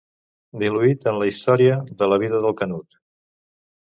Diluït en la història de la vida del Canut.